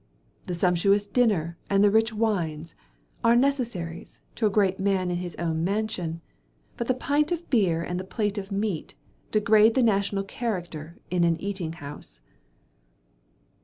The sumptuous dinner and the rich wines, are 'necessaries' to a great man in his own mansion: but the pint of beer and the plate of meat, degrade the national character in an eating house.